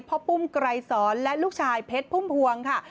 ปุ้มไกรสอนและลูกชายเพชรพุ่มพวงค่ะ